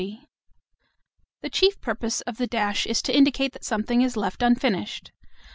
The chief purpose of the dash is to indicate that something is left unfinished.